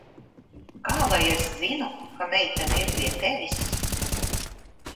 Kā lai es zinu, ka meitene ir pie tevis?